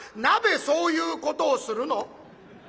「鍋そういうことをするの？」。